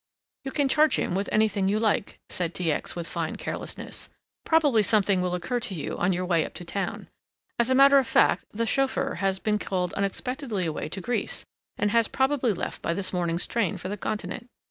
"You can charge him with anything you like," said T. X., with fine carelessness, "probably something will occur to you on your way up to town. As a matter of fact the chauffeur has been called unexpectedly away to Greece and has probably left by this morning's train for the Continent.